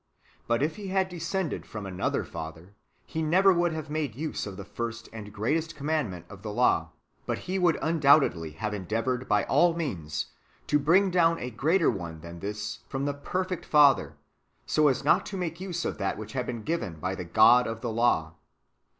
But if He had descended from another Father, He never would have made use of the first and greatest commandment of the law; but He would undoubtedly have endeavoured by all means to bring down a greater one than this from the perfect Father, so as not to make use of that which had been given by the God of the law.